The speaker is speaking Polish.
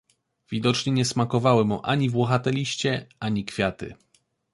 Widocznie nie smakowały mu ani włochate liście, ani kwiaty.